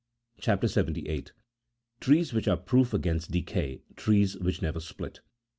CHAP. 78. TREES WHICH ARE PROOF AGAINST DECAY: TREES WHICH NEVER SPLIT.